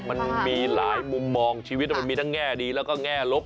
มันมีหลายมุมมองชีวิตมันมีทั้งแง่ดีแล้วก็แง่ลบ